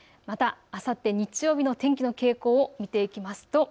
また、あさって日曜日の天気の傾向を見ていきますと。